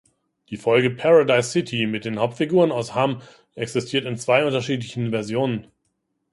Die Folge "Paradise City" mit den Hauptfiguren aus Hamm existiert in zwei unterschiedlichen Versionen.